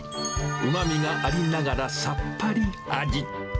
うまみがありながら、さっぱり味。